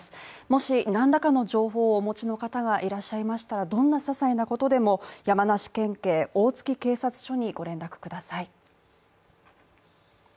もし何らかの情報をお持ちの方がいらっしゃいましたらどんなささいなことでも山梨県警大月警察署にご連絡ください。